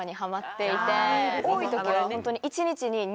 多い時はホントに。